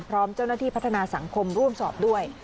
พร้อมเจ้าหน้าที่พัฒนาสังคมร่วมสอบด้วย